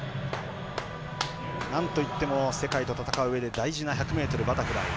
なんといっても世界と戦ううえで大事な１００ｍバタフライ。